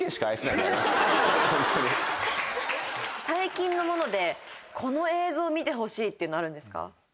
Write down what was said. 最近のものでこの映像見てほしいっていうのあるんですか？